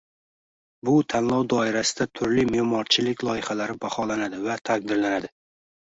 Bu tanlov doirasida turli me’morchilik loyihalari baholanadi va taqdirlanadi.